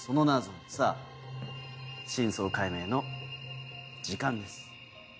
さぁ真相解明の時間です。